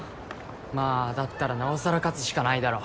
まあだったらなおさら勝つしかないだろ。